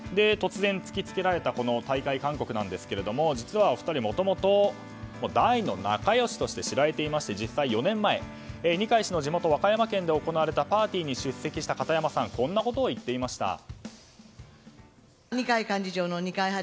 突然、突きつけられたこの退会勧告ですが実はお二人はもともと大の仲良しとして知られていまして実際４年前二階氏の地元・和歌山県で行われたパーティーに出席した片山さんはこんなことを言っていました。